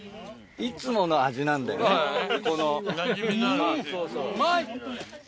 いつもの味なんだよねこの。